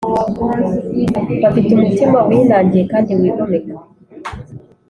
bafite umutima winangiye kandi wigomeka